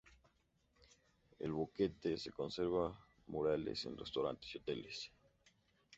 En Boquete se conservan murales en restaurantes y hoteles.